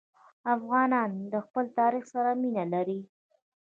افغانان د خپل تاریخ سره مینه لري.